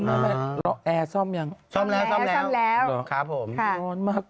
แอร์ซ่อมอย่างเค้าแอร์ซ่อมแล้วข้าวผมร้อนมาก